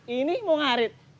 ini mau ngarit